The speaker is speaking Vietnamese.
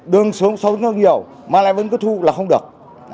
đường xuống sâu rất nhiều mà lại vẫn cứ thu là không được